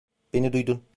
Beni duydun.